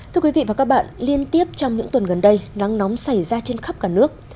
thưa quý vị và các bạn liên tiếp trong những tuần gần đây nắng nóng xảy ra trên khắp cả nước